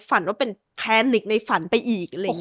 ฝันว่าเป็นแพนิกในฝันไปอีกอะไรอย่างนี้